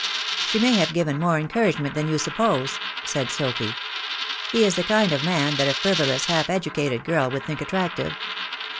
"She may have given more encouragement than you suppose," said Sophy. "He is the kind of man that a frivolous, half educated girl would think attractive.